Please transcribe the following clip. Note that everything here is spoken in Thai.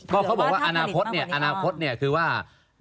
ก็เขาบอกว่าอนาคตเนี่ยอนาคตคือว่า